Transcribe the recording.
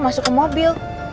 masuk ke mobil